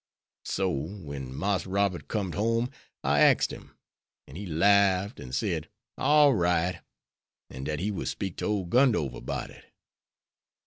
So when Marse Robert com'd home, I axed him, an' he larf'd an' said, 'All right,' an' dat he would speak to ole Gundover 'bout it.